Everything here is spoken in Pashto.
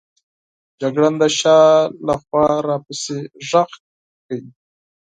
جګړن د شا له خوا را پسې ږغ کړل.